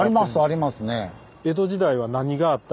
ありますね。